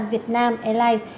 việt nam airlines